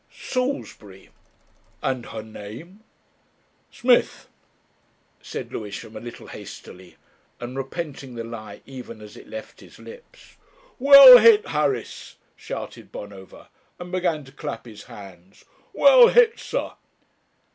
"Salisbury." "And her name?" "Smith," said Lewisham, a little hastily, and repenting the lie even as it left his lips. "Well hit, Harris!" shouted Bonover, and began to clap his hands. "Well hit, sir."